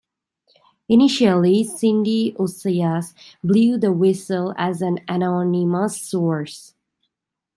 Initially, Cindy Ossias blew the whistle as an anonymous source.